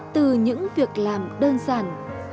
từ những việc làm đơn giản